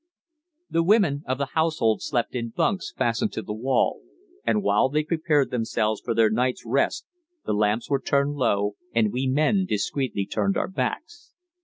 The women of the household slept in bunks fastened to the wall, and while they prepared themselves for their night's rest the lamps were turned low and we men discreetly turned our backs.